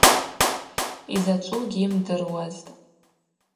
Йзачӏву гьйымдыруазтӏ.